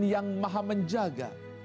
yang maha menjaga